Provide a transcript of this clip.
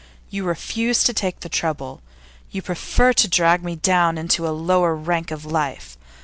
You refuse to take the trouble; you prefer to drag me down into a lower rank of life.